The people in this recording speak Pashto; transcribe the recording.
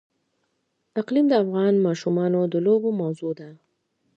اقلیم د افغان ماشومانو د لوبو موضوع ده.